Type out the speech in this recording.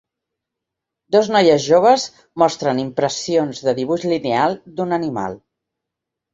Dos noies joves mostren impressions de dibuix lineal d'un animal.